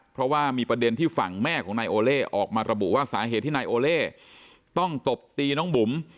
เพราะว่ามีประเด็นที่ฝั่งแม่ของนายโอเล่ออกมาระบุว่าสาเหตุที่นายโอเล่ต้องตบตีน้องบุ๋ม